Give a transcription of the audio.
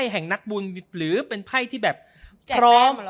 หรือเป็นไพ่ที่แบบพร้อม